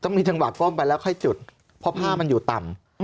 มีจังหวะก้มไปแล้วค่อยจุดเพราะผ้ามันอยู่ต่ำ